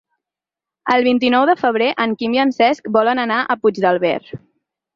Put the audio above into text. El vint-i-nou de febrer en Quim i en Cesc volen anar a Puigdàlber.